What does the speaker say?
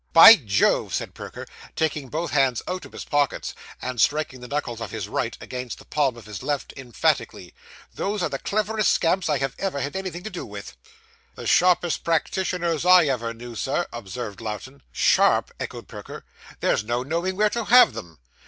'By Jove!' said Perker, taking both hands out of his pockets, and striking the knuckles of his right against the palm of his left, emphatically, 'those are the cleverest scamps I ever had anything to do with!' 'The sharpest practitioners I ever knew, Sir,' observed Lowten. 'Sharp!' echoed Perker. 'There's no knowing where to have them.